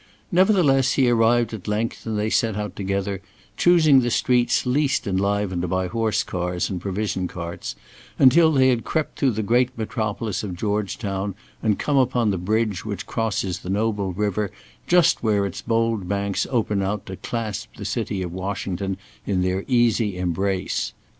Nevertheless he arrived at length, and they set out together, choosing the streets least enlivened by horse cars and provision carts, until they had crept through the great metropolis of Georgetown and come upon the bridge which crosses the noble river just where its bold banks open out to clasp the city of Washington in their easy embrace.